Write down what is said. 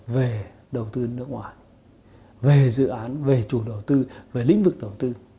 về đầu tư nước ngoài về dự án về chủ đầu tư về lĩnh vực đầu tư